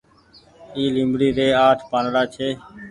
اي ليبڙي ري آٺ پآنڙآ ڇي۔